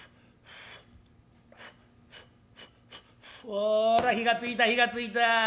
「ほら火がついた火がついた。